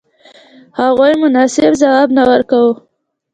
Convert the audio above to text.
هغوی مناسب ځواب نه ورکاوه.